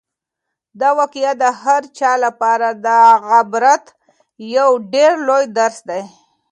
دا واقعه د هر چا لپاره د عبرت یو ډېر لوی درس دی.